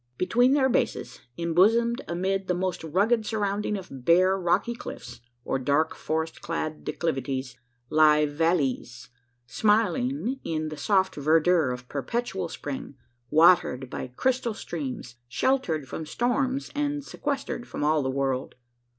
Between their bases embosomed amid the most rugged surrounding of bare rocky cliffs, or dark forest clad declivities lie vallees, smiling in the soft verdure of perpetual spring watered by crystal streams sheltered from storms, and sequestered from all the world.